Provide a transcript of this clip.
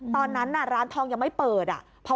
ตอนนั้นร้านทองยังไม่เปิด